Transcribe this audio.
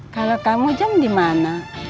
kalau kamu jam di mana